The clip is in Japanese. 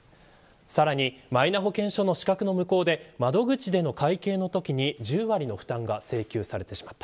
さらに、マイナ保険証の資格の無効で窓口での会計のときに１０割の負担が請求されてしまった。